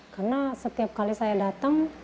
karena setiap kali saya datang